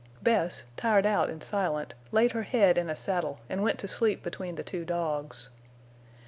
Bess, tired out and silent, laid her head in a saddle and went to sleep between the two dogs.